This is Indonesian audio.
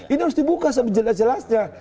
ini harus dibuka sejelas jelasnya